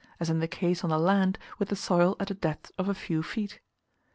as in the case on the land with the soil at the depth of a few feet.